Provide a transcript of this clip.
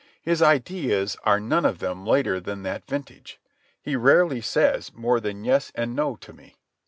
His ideas are none of them later than that vintage. He rarely says more than yes and no to me.